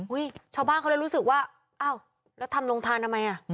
ชาวบ้านเขาเลยรู้สึกว่าอ้าวแล้วทำโรงทานทำไมอ่ะ